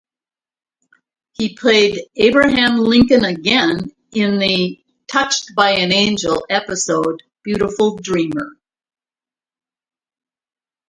He played Abraham Lincoln again in the "Touched by an Angel" episode "Beautiful Dreamer".